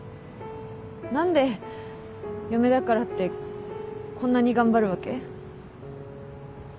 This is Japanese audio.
何で嫁だからってこんなに頑張るわけ？